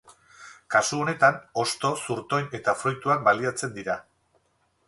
Kasu honetan, hosto, zurtoin eta fruituak baliatzen dira.